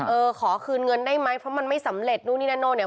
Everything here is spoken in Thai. เออขอคืนเงินได้ไหมเพราะมันไม่สำเร็จนู่นนี่นั่นโน่เนี่ย